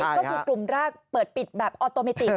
ก็คือกลุ่มแรกเปิดปิดแบบออโตเมติก